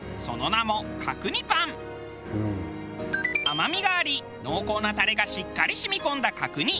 甘みがあり濃厚なタレがしっかり染み込んだ角煮。